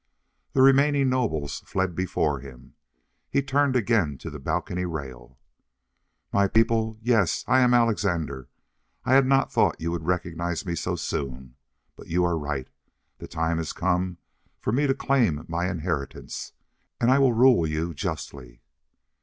The remaining nobles fled before him. He turned again to the balcony rail. "My people yes, I am Alexandre I had not thought you would recognize me so soon. But you are right the time has come for me to claim my inheritance. And I will rule you justly."